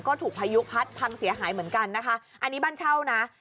ก็ถูกพายุพัดพังเสียหายเหมือนกันนะคะอันนี้บ้านเช่านะ